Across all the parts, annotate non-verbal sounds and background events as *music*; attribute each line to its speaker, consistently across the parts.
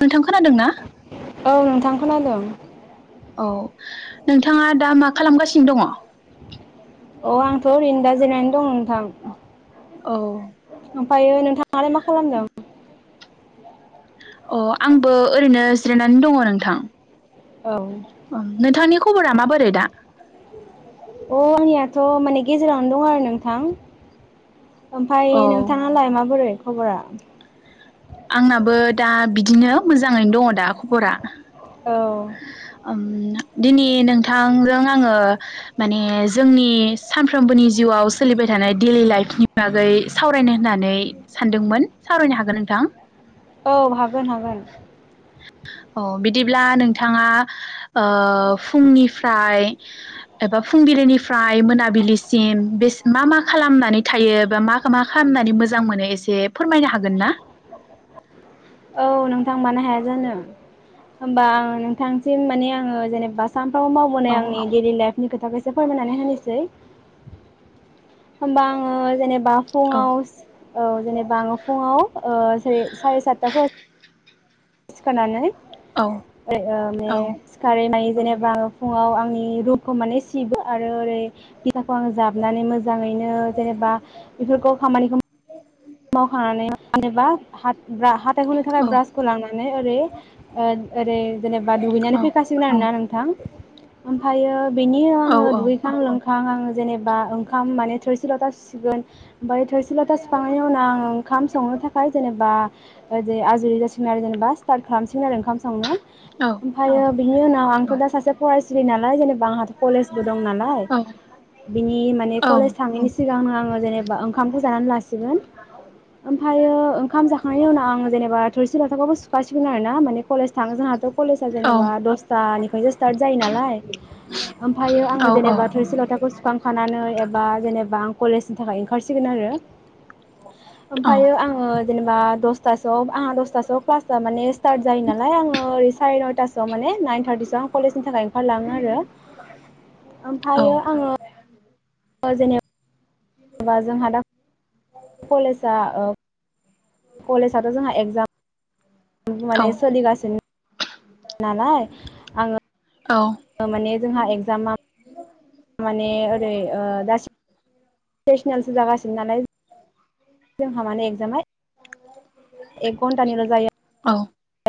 Speaker 1: नोंथां खोनादोंना?
Speaker 2: औ नोंथां खोनादों।
Speaker 1: औ नोंथाङा दा मा खालामगासिनो दङ?
Speaker 2: अ आंथ' ओरैनो दा जिरायनानै दं। थां
Speaker 1: औ।
Speaker 2: ओमफ्रायो नोंथां आलाय मा खालामदों?
Speaker 1: अ आंबो ओरैनो जिरायनानै दङ नोंथां।
Speaker 2: औ।
Speaker 1: नोंथांनि खबरा माबोरै दा?
Speaker 2: अ आंनियाथ' माने गेजेरावनो दं आरो नोंथां। ओमफ्राय
Speaker 1: औ
Speaker 2: नोंथाङालाय माबोरै? खबरा?
Speaker 1: आंनाबो दा बिदिनो मोजाङैनो दङ दा खबरा
Speaker 2: औ।
Speaker 1: ओम दिनै नोंथांजों आङो माने जोंनि सानफ्रोमबोनि जिउआव सोलिबाय थानाय डेलि लाइफनि बागै सावरायनो होननानै सानदोंमोन सावरायनो हागोन नोंथां?
Speaker 2: औ हागोन हागोन।
Speaker 1: अ बिदिब्ला नोंथाङा ओ फुंनिफ्राय एबा फुंबिलिनिफ्राय मोनाबिलिसिम बे मा मा खालामनानै थायो बा मा मा खालामनानै मोजां मोनो एसे फोरमायनो हागोन ना?
Speaker 2: औ नोंथां मानो हाया जानो होमबा आं नोंथांसिम माने आङो जेनेबा सानफ्रामबो
Speaker 1: औ
Speaker 2: मावबोनाय आंनि डेलि लाइफनि खोथाखो सा इसे फोरमायनानै होनिसै होमबा आंङो जेनेब बा फुङाव औ जेनेबा आङो फुंङाव ओ सारि सातता फोर सिखारनानै
Speaker 1: औ
Speaker 2: ओ माने
Speaker 1: औ
Speaker 2: सिखारै मायै जेनेबा आङो फुङाव आंनि रुमखौ माने सिबो आरो ओरै फिथाखौ आङो जाबनानै मोज जाङैनो जेनेबा बेफोरखौ खामानिखौ मावखांनानै *unintelligible* नोबा भात जा हाथाय हुनो थाखाय
Speaker 1: औ
Speaker 2: ब्रासखौ लानानै ओरै ओ ओरै जेनेबा
Speaker 1: औ
Speaker 2: दुगैनानै फैखासिगोन आरोना नों नोंथां ओमफ्रायो बेनि उनाव
Speaker 1: औ
Speaker 2: आङो दुगैखां लोंखा नोंथां आं जेनेबा ओंखामान माने थोरसि लथा सुसिगोन ओमफ्राय थोरसि लथा बेनि उनाव आं ओंखाम संनो थाखाय जेनेबा ओरै आजुरि जासिगोन आरो जेनेबा स्टार्ट खालामसिगोन आरो ओंखाम संनो ओमफ्रायो बिनि उनाव आंथ दा सासे फरायसुलि ना नालाय जेनेबा आं कलेजबो दं नालाय बिनि माने कलेज थांङैनि सिगांनो आङो जेनेबा ओंखामखौ जानानै लास सिगोन ओमफायो ओंखाम जाखांनायनि उनाव आं जेनेबा आ थोरसि लथाखौबो सुखासिगोन आरो ना माने कलेज थाङो जोंहाथ कलेजआ जेनेबा दसथानिफ्रायसो स्टार्ट जायो नालाय ओमफ्राय आङो
Speaker 1: औ औ
Speaker 2: जेनेबा थोरसि लथाखौ सुखांखानानै एबा जेनेबा कलेजनि थाखाय ओंखारसिगोन आरो ओमफ्रायो आङो जेनेबा दसथा सोयाव आंहा दसथा सोयाव क्लासा माने स्टार्ट जायो नालाय आङो ओरै साराय नयथासोआव माने नाइन थारटिसो आं कलेजनि थाखाय ओंखारलाङो आरो ओमफ्रायो आङो ओ जेने बा जोंहा दा कलेसा ओ कलेजाथ जोंहा एगजाम माने सोलिगासिन नालाय आङो
Speaker 1: औ
Speaker 2: माने जोंहा एगजामा
Speaker 1: *inaudible*
Speaker 2: माने ओरै ओ दा सेसनेलसो जागासिनो नालाय जोंहा माने एगजामा एक घन्टानिल' जायो।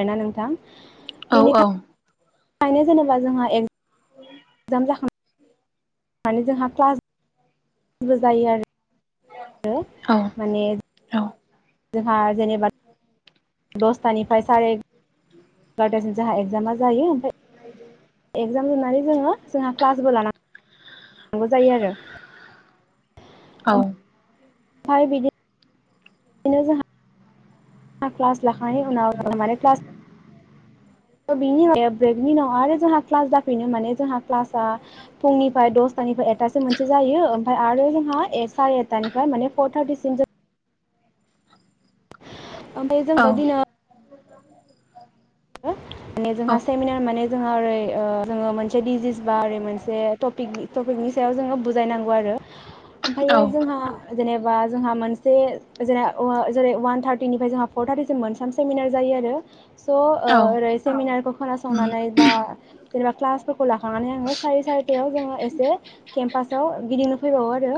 Speaker 2: *unintelligible* नोंथां
Speaker 1: औ औ
Speaker 2: खायनो जेनेबा जोंहा एक
Speaker 1: *inaudible*
Speaker 2: जाम जा खांनानै जोंहा क्लास बो जायो आरो आरो माने जोंहा जेनेबा दसथानिफ्राय सारि इगारटासिम जोंहा एगजामा जायो ओमफ्राय एगजाम जोबनानै जोङो जोंहा क्लासबो लाना नांगौ जायो आरो
Speaker 1: औ
Speaker 2: ओमफ्राय बिदि नो जोंहा क्लास लाखांनायनि उनाव माने क्लास बिनि उन ब्रेकनि उनाव आरो जोंहा क्लास जाफिनो माने जोंहा क्लासआ फुंनिफ्राय दसथानिफ्राय एकथासो मोनसे जायो ओमफ्राय आरो जोंहा सारि एकथा देरथानिफ्राय माने फर थार्टिसिम जों ओमफ्राय जोंदाव दिनै हो माने जोंहा सेमिनार माने जोंहा ओरै ओ जोङो मोनसे डिजिस बा ओरै मोनसे टपिक टपिकनि सायाव जोङो बुजायनांगौ आरो। ओमफ्रायो जोंहा जेनेबा जोंहा मोनसे जेन वा जेरै वान थारटिनिफ्राय जोंहा फर थार्टिसिम मोनथाम सेमिनार जायो आरो स' ओ ओरै सेमिनार खोनासंनानै बा जेनेबा क्लासफोरखौ लाखांनानै आङो सारि सारिथायाव जोङो एसे केमपासाव गिदिंनो फैबावो आरो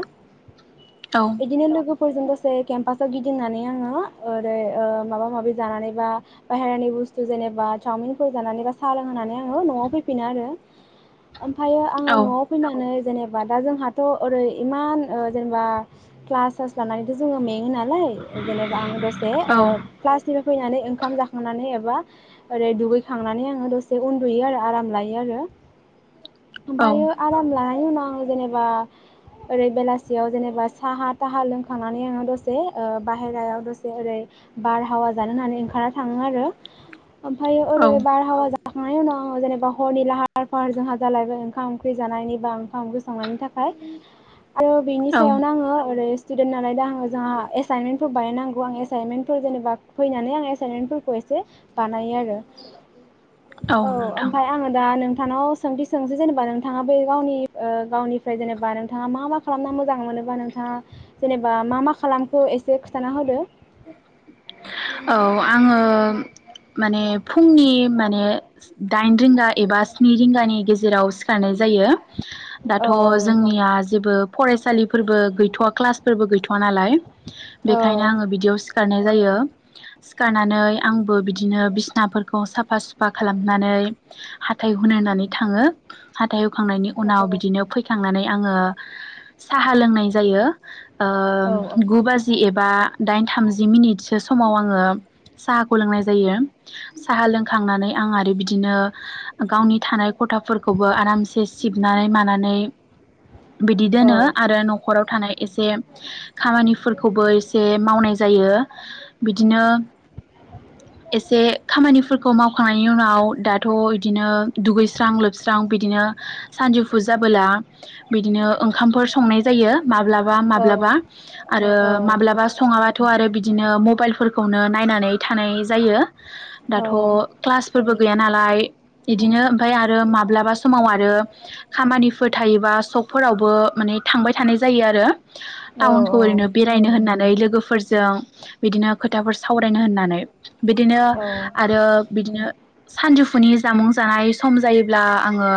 Speaker 2: बिदिनो लोगो फोरजों दसे केम्पासाव गिदिंनानै आङो ओरै ओ माबा माबि जानानै बा बाहेरानि बु जेनेबा चावमिनफोर जानानै बा साहा लोंहोनानै आङो न'आव फैफिनो आरो ओमफ्रायो आङो न'आव फैनानै जेनेबा दा जोंहाथ' ओरै इमान जेनेबा क्लास सास लानानैथ' जोङो मेङो नालाय जेनेबा आं द से ओ क्लास निफाय फैनानै ओंखाम जाखांनानै एबा ओरै दुगैखांनानै आङो दसे उन्दुयो आरो आराम लायो आरो ओमफायो आराम लानायनि उनाव आं जेनेबा ओरै बेलासियाव जेनेबा साहा थाहा लोंखांनानै आङो दसे ओ बाहेरायाव दसे ओरै बारहावा जानो होननानै ओंखारना थाङो आरो ओमफ्रायो ओरै बारहावा जाखांनायनि उनाव आ जेनेबा हरनि लाहार फाहार जोंहा जालायबाय ओंखाम ओंख्रि जानायनि बा ओंखाम ओंख्रि संनायनि थाखाय आरो बिनि सायावनो आङो ओरै स्टुडेन नालाय दा आङो जोंहा एसाइनमेन्टफोर बायनांगौ आं एसाइनमेन्टफोर जेनेबा फैनानै आं एसाइनमेन्टफोरखौ एसे बानायो आरो औ ओमफ्राय आङो दा नोंथ नोंथानाव सोंथि सोंसै जेनेबा नोंथाङा बे गावनि गावनिफ्राय जेनेबा नोंथाङा मा मा खालामना मोजां मोनोबा नोंथाङा जेनेबा मा मा खालामखो एसे खिथाना होदो
Speaker 1: औ आङो माने फुंनि माने दाइन रिंगा एबा स्नि रिंगानि गेजेराव सिखारनाय जायो दाथ'
Speaker 2: औ औ नोंथां
Speaker 1: जोंनिया जेबो फरायसालिफोरबो गैथ'वा क्लासफोरबो गैथ'वा नालाय
Speaker 2: औ
Speaker 1: बेखायनो आङो बिदियाव सिखारनाय जायो सिखारनानै आंबो बिदिनो बिसनाफोरखौ साफा सुफा खालामनानै हाथाइ हुनो होननानै थाङो हाथाइ हुखांनायनि उनाव बिदिनो फैखांनानै आङो साहा लोंनाय जायो ओ गु
Speaker 2: औ
Speaker 1: बाजि एबा दाइन थामजि मिनिटसो समाव आङो साहाखौ लोंनाय जायो साहा लोंखांनानै आं आरो बिदिनो गावनि थानाय खथाफोरखौबो आरामसे सिबनानै मानानै बिदि दोनो
Speaker 2: औ
Speaker 1: आरो न'खराव थानाय एसे खामानिफोरखौबो एसे मावनाय जायो बिदिनो एसे खामानिफोरखौ मावखांनायनि उनाव दाथ' इदिनो दुगैस्रां लोबस्रां बिदिनो सानजौफु जाबोला बिदिनो ओंखामफोर संनाय जायो माब्लाबा माब्लाबा
Speaker 2: औ
Speaker 1: आरो
Speaker 2: औ
Speaker 1: माब्लाबा सङा बाथ थ' आरो बिदिनो मबाइल फोरखौनो नायनानै थानाय जायो
Speaker 2: औ
Speaker 1: दाथ' क्लासफोरबो गैया नालाय इदिनो ओमफ्राय आरो माब्लाबा समाव आरो खामानिफोर थायोबा शकफोरावबो माने थांबाय थानाय जायो आरो
Speaker 2: औ
Speaker 1: टाउनखौ ओरैनो बेरायनो होननानै लोगोफोर जों बिदिनो खोथाफोर सावरायनो होननानै बिदिनो आरो बिदिनो सानजौफुनि जामुं जानाय सम जायोब्ला आङो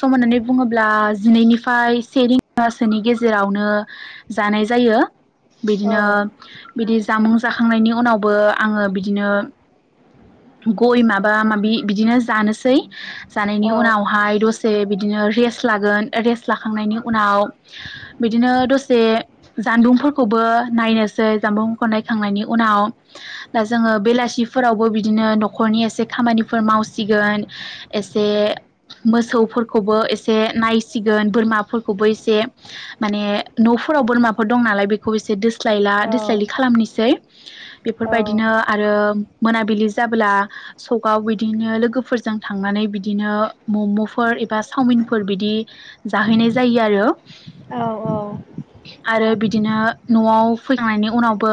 Speaker 1: सम होननानै बुङोब्ला जिनैनिफ्राय से रिंगासोनि गेजेरावनो जानाय जायो बिदिनो बिदि जामुस जाखांनायनि उनावबो आङो बिदिनो गय माबा माबि बिदिनो जानोसै जानायनि
Speaker 2: औ
Speaker 1: उनावहाय दसे बिद बिदिनो रेस्ट लागोन रेस्ट लाखांनायनि उनाव बिदिनो दसे जानबुंफोरखौबो नायनोसै जानबुंफोरखौ नायखांनायनि उनाव दा जोङो बेलासिफोरावबो बिदि बिदिनो न'खरनि एसे खामानिफोर मावसिगोन एसे मोसौफोरखौबो एसे नायसिगोन बोरमाफोरखौबो एसे माने न'फोराव बोरमाफोर दं नालाय बेखौ एसे दोस्लायला दोस्लायलि खालामनिसै बेफोर बायदिनो आरो मोनाबिलि जाबोला सकआव बिदिनो लोगोफोरजों थांनानै बिदिनो मम'फोर एबा चावमिनफोर बिदि जाहैनाय जायो आरो।
Speaker 2: औ औ
Speaker 1: आरो बिदिनो न'आव फैखांनायनि उनावबो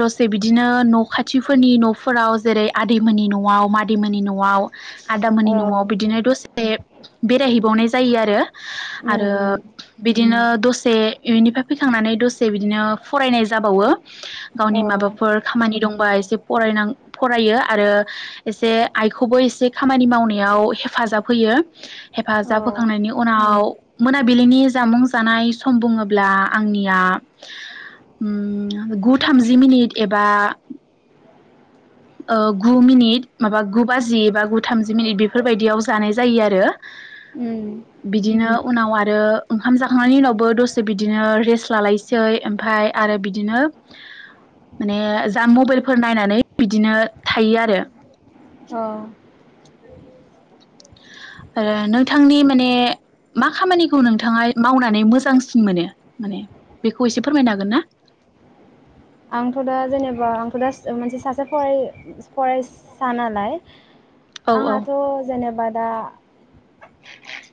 Speaker 1: दसे बिदिनो न' खाथिफोरनि न'फोराव जेरै आदैमोननि न'आव मादैमोननि न'आव आदा मोननि न'आव
Speaker 2: औ
Speaker 1: बिदिनो दसे बे बेराय हैबावनाय जायो आरो
Speaker 2: उम
Speaker 1: आरो
Speaker 2: उम
Speaker 1: बिदिनो दसे इउनिफ्राय फैखांनानै दसे बिदिनो फरायनाय जाबावो।
Speaker 2: औ
Speaker 1: गावनि माबाफोर खामानि दंबा एसे फरायनां फरायो आरो एसे आइखौबो एसे खामानि मावनायाव हेफाजाब होयो।
Speaker 2: औ
Speaker 1: हेफाजाब होखांनायनि उनाव मोनाबिलिनि जामुं जानाय सम बुङोब्ला आंनिया उम गु थामजि मिनिट एबा ओ गु मिनिट माबा गु बाजि बबा गु थामजि मिनिट बेफोरबायदियाव जानाय जायो आरो।
Speaker 2: उम
Speaker 1: *inaudible* बिदिनो उनाव आरो ओंखाम जाखांनायनि उनावबो दसे बिदिनो रेस्ट लालायसै ओमफ्राय आरो बिदिनो, माने जा मबाइलफोर नायनानै बिदिनो थायो आरो
Speaker 2: औ
Speaker 1: ओ आरो नोंथांनि माने मा खामानिखौ नोंथाङा मावनानै मोजांसिन मोनो माने बेखौ एसे फोरमायनो हागोन ना?
Speaker 2: आंथ' दा जेनेबा आंथ' दा मोनसे सासे फराय- फरायसा नालाय
Speaker 1: औ औ
Speaker 2: आंहाथ' जेनेबा दा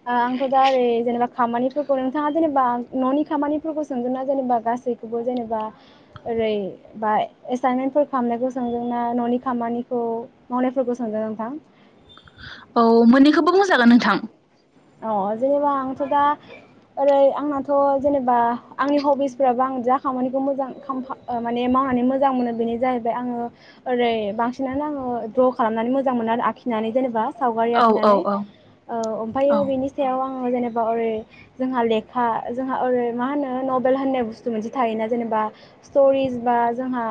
Speaker 2: *inaudible* ओ आंखौ दा ओरै जेनेबा खामानिफोरखौ नोंथाङा जेनेबा न'नि खामानिफोरखौ सोंदोंना जेनेबा गासैखौबो जेनेबा ओरै बा एसाइनमेन्टफोर खालामनायखौ सोंदों ना न'नि खामानिखौ मावनायफोरखौ सोंदों नोंथां?
Speaker 1: औ मोननैखौबो बुंजागोन नोंथां।
Speaker 2: अ जेनेबा आंथ' दा ओरै आंनाथ' जेनेबा आंनि हबिसफोराबो आं जा खामानिखौ मोजां खाम-फा ओ माने मावनानै मोजां मोनो बेनो जाहैबाय आङो ओरै बांसिनानो आङो द्र खालामनानै मोजां मोनो आरो आखिनानै जेनेबा सावगारि
Speaker 1: औ औ
Speaker 2: आखिनानै
Speaker 1: औ
Speaker 2: ओ फायो बिनि सायाव आङो जेनेबा ओरै जोंहा लेखा जोंहा ओरै मा होनो नभेल होननाय बुस्थु मोनसे थायोना जेनेबा स्टरिस बा जोंहा,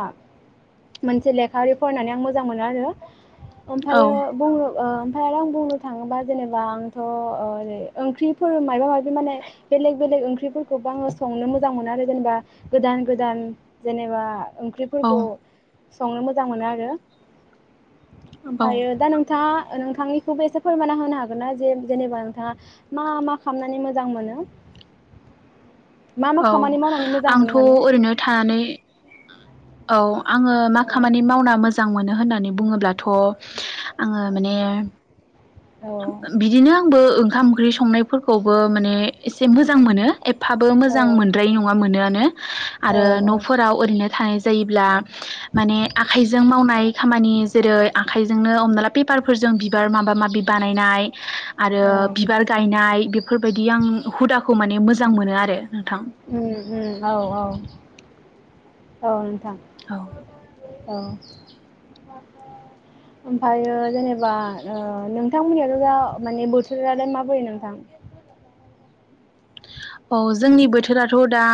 Speaker 2: मोनसे लेखा ओरै फरायनानै आं मोजां मोनो आरो। ओमफायो बुङो ओ ओमफाय आरो आं बुंनो थाङोबा जेनेबा आं थ' ओ ओरै ओंख्रिफोर माबा माबि माने बेलेग बेलेग ओंख्रिफोरखौबो आङो संनो मोजां मोनो आरो जेनेबा गोदान गोदान जेनेबा
Speaker 1: औ
Speaker 2: ओंख्रिफोरखौ संनो मोजां मोनो आरो
Speaker 1: औ औ
Speaker 2: ओमफायो दा नोंथाङा नोंथांनिखौबो एसे फोरमानना होनो हागोन ना जे नेबा नोंथाङा मा मा खालामनानै मोजां मोनो? मा मा
Speaker 1: औ
Speaker 2: खामानि मावनानै मोजां मोनो
Speaker 1: आंथ'
Speaker 2: माने
Speaker 1: ओरैनो थानानै औ आङो मा
Speaker 2: औ
Speaker 1: खामानि मावना मो मोजां मोनो होननानै बुङोब्लाथ' आङो माने
Speaker 2: औ
Speaker 1: बिदिनो आंबों ओं खाम ओंख्रि संनायफोरखौबो माने एसे मोजां मोनो एफाबो
Speaker 2: औ
Speaker 1: मोजां मोनद्राय नङा मोनोआनो
Speaker 2: औ
Speaker 1: आरो
Speaker 2: औ
Speaker 1: न'फोराव ओरैनो थानाय जायोब्ला माने आखाइजों मावनाय खामानि जेरै आखाइजोंनो हमना ला पेपारफोरजों बिबार माबा माबि बानायनाय आरो
Speaker 2: औ
Speaker 1: बिबार गायनाय बेफोरबायदि आं हुदाखौ माने मोजा मोजां मोनो आरो नोंथां
Speaker 2: उम उम औ औ औ
Speaker 1: औ
Speaker 2: औ ओमफायो जेनेबा ओ नोंथांमोननिाथ' जा माने बोथोरालाय माबोरै नोंथां?
Speaker 1: औ जोंनि बोथोराथ' दा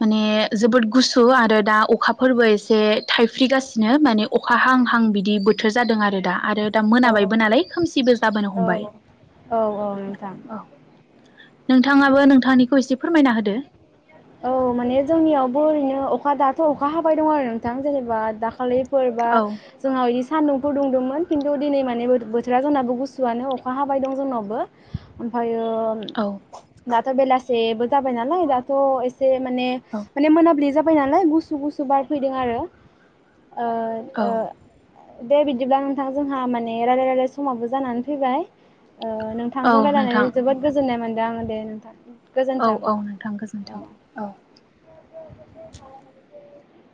Speaker 1: माने जोबोद गुसु आरो दा अखाफोरबो एसे थाइफ्रिगासिनो माने अखा हां हां बिदि बोथोर जादों आरो दा आरो दा
Speaker 2: औ
Speaker 1: मोनाबायबो नालाय खोमसिबो जाबोनो
Speaker 2: औ
Speaker 1: हमबाय
Speaker 2: औ औ नोंथां
Speaker 1: औ नोंथाङा बो नोंथांनिखौ एसे फोरमायना होदो।
Speaker 2: औ माने जोंनियावबो ओरैनो दाथ' अखा हाबाय दं आरो नोंथां जेनेबा दाखालै फोरबा
Speaker 1: औ
Speaker 2: जोंनाव सान्दुंफोर दुंदोंमोन खिन्थु दिनै माने बो-बोथोरा जोंनाबो गुसुआनो अखा हाबाय दं जोंनावबो ओमफ्रायो ओं
Speaker 1: औ
Speaker 2: दाथ' बेला सेबो जाबाय नालाय दाथ' ए से माने
Speaker 1: औ
Speaker 2: माने मोनाबिलि जा बाय नालाय गुसु गुसु बारफैदोंआरो। ओ ओ
Speaker 1: औ
Speaker 2: दे बिदिब्ला नोंथां जोंहा माने रायलाय रायलाय समाबो जानानै फैबाय। औ
Speaker 1: औ
Speaker 2: नोंथांजों
Speaker 1: नोंथां
Speaker 2: रायलायनानै जोबोद गोजोननाय मोन जागोन दे नोंथां।
Speaker 1: औ
Speaker 2: गोजोन्थों।
Speaker 1: औ नोंथां गोजोन्थों औ
Speaker 2: *inaudible*